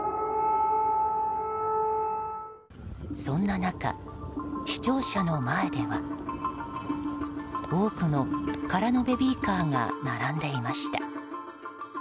そんな中、市庁舎の前では多くの空のベビーカーが並んでいました。